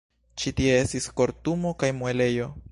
Ĉi tie estis kortumo kaj muelejo.